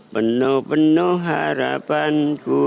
penuh penuh harapan ku